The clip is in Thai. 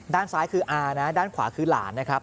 ด้านซ้ายคืออานะด้านขวาคือหลานนะครับ